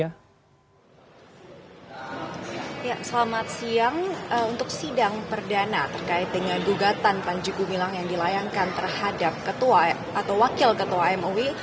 ya selamat siang untuk sidang perdana terkait dengan gugatan panji gumilang yang dilayangkan terhadap ketua atau wakil ketua mui